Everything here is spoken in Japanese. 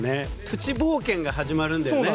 プチ冒険が始まるんだよね。